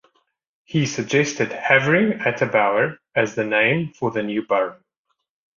He suggested Havering-atte-Bower as the name for the new borough.